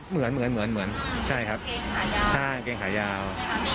เหมือนเหมือนเหมือนเหมือนใช่ครับเกงขายาว